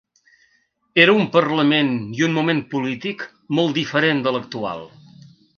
Era un parlament i un moment polític molt diferent de l’actual.